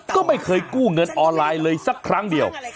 ก็ไม่เคยกู้เงินออนไลน์เลยสักครั้งเดียว